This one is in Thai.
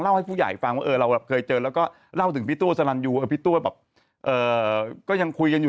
ให้ผู้ใหญ่ฟังว่าเราเคยเจอแล้วก็เล่าถึงพี่ตัวสลันยูพี่ตัวแบบก็ยังคุยกันอยู่